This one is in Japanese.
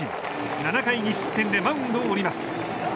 ７回２失点でマウンドを降ります。